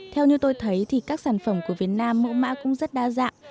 theo như tôi thấy thì các sản phẩm của việt nam mẫu mã cũng rất đa dạng